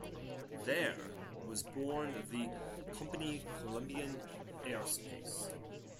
There was born the "Company Colombian airspace".